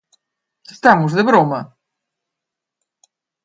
¡Estamos de broma!